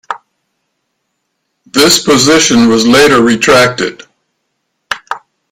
This position was later retracted.